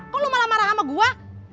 kok lu malah marah sama gua